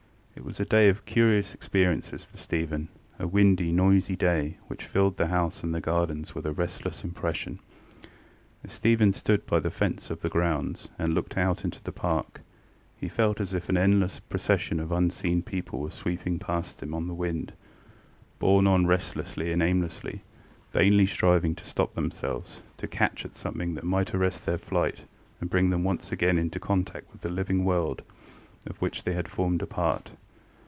It was a day of curious experiences for Stephen: a windy, noisy day, which filled the house and the gardens with a restless impression. As Stephen stood by the fence of the grounds, and looked out into the park, he felt as if an endless procession of unseen people were sweeping past him on the wind, borne on resistlessly and aimlessly, vainly striving to stop themselves, to catch at something that might arrest their flight and bring them once again into contact with the living world of which they had formed a part.